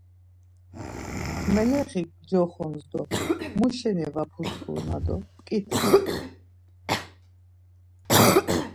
Meleği gcoxons do muşeni var putxur ma do p̌ǩitxi.